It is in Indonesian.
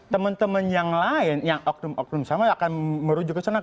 teman teman yang lain yang oknum oknum sama akan merujuk ke sana